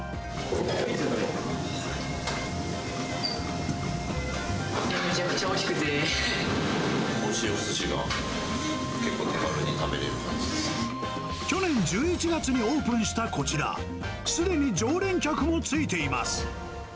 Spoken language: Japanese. おいしいおすしが手軽に食べ去年１１月にオープンしたこちら、すでに常連客もついています。